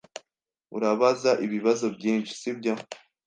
Urabaza ibibazo byinshi, sibyo?